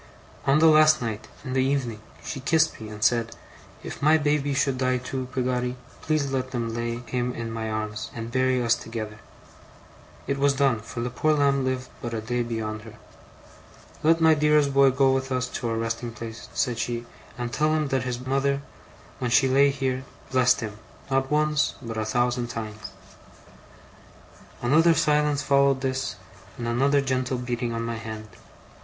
'On the last night, in the evening, she kissed me, and said: "If my baby should die too, Peggotty, please let them lay him in my arms, and bury us together." (It was done; for the poor lamb lived but a day beyond her.) "Let my dearest boy go with us to our resting place," she said, "and tell him that his mother, when she lay here, blessed him not once, but a thousand times."' Another silence followed this, and another gentle beating on my hand.